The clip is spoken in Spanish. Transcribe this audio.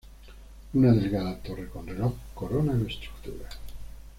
Una delgada torre con reloj corona la estructura.